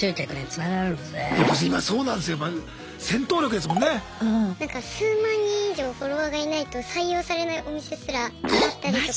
なんか数万人以上フォロワーがいないと採用されないお店すらあったりとか。